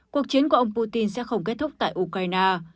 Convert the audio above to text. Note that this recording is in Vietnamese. cuộc chiến của ông putin sẽ không kết thúc tại ukraine